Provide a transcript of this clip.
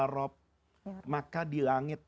rab maka di langit